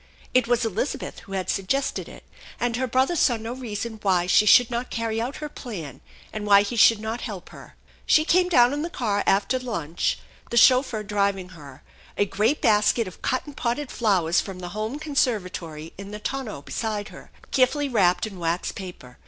It was Elizabeth who had suggested it, and her brother saw no reason why she should not carry out her plan and why he should not help her. She came down in the car after lunch, the chauffeur driving her, a great basket of cut and potted flowers from the home conservatory in the tonneau beside her, carefully wrapped in wax paper.